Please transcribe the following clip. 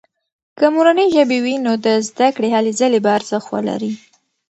که مورنۍ ژبه وي، نو د زده کړې هلې ځلې به ارزښت ولري.